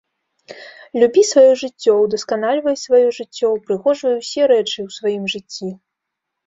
Любі сваё жыццё, удасканальвай сваё жыццё, упрыгожвай усе рэчы у сваім жыцці.